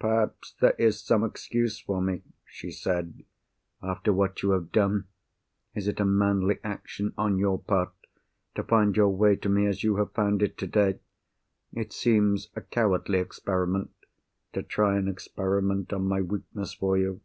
"Perhaps there is some excuse for me," she said. "After what you have done, is it a manly action, on your part, to find your way to me as you have found it today? It seems a cowardly experiment, to try an experiment on my weakness for you.